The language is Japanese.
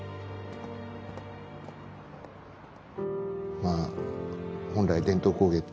まあ本来伝統工芸って